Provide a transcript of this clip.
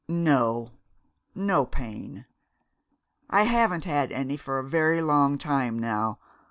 "No no pain. I haven't had any for a very long time now.